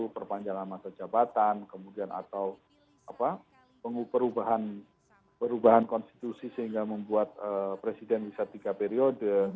perpanjangan masa jabatan kemudian atau perubahan konstitusi sehingga membuat presiden bisa tiga periode